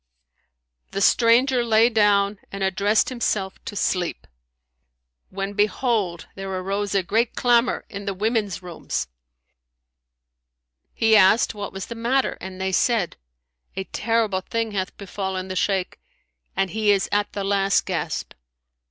The stranger lay down and addressed himself to sleep, when, behold, there arose a great clamour in the women's rooms. He asked what was the matter and they said, "A terrible thing hath befallen the Shaykh and he is at the last gasp."